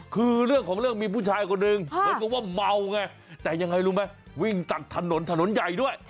คือเรื่องของเรื่องมีผู้ชายคนหนึ่งเหมือนกับว่าเมาไงแต่ยังไงรู้ไหมวิ่งตัดถนนถนนใหญ่ด้วย